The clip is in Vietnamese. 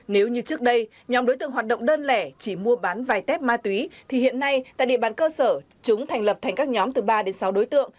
nếu như trước đây nhóm đối tượng hoạt động đơn lẻ chỉ mua bán vài tép ma túy thì hiện nay tại địa bàn cơ sở chúng thành lập thành các nhóm từ ba đến sáu đối tượng